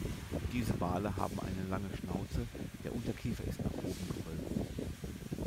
Diese Wale haben eine lange Schnauze, der Unterkiefer ist nach oben gewölbt.